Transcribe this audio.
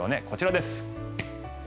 こちらです。